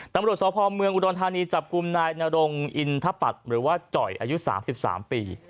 ตำลดสภอมเมืองอุดรทานีจับกลุ่มนายนรงอินทรัพย์หรือว่าจ่อยอายุสามสิบสามปี